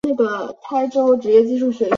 国君为姜姓。